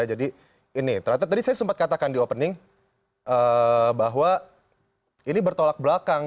jadi ini ternyata tadi saya sempat katakan di opening bahwa ini bertolak belakang